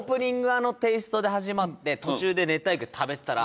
あのテイストで始まって途中で熱帯魚食べてたら